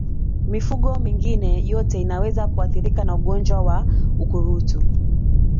Mifugo mingine yote inaweza kuathirika na ugonjwa wa ukurutu